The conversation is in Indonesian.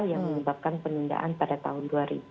yang menyebabkan penundaan pada tahun dua ribu sembilan belas